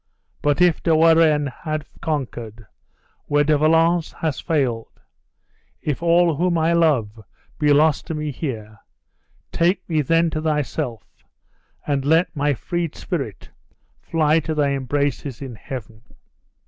But if De Warenne have conquered, where De Valence has failed; if all whom I love be lost to me here, take me then to thyself, and let my freed spirit fly to their embraces in heaven!"